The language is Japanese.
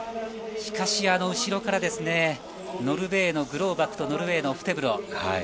しかし、後ろからノルウェーのグローバクとノルウェーのオフテブロ。